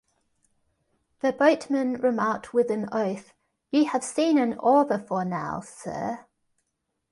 The boatman remarked with an oath, 'You have seen an oar before now, sir.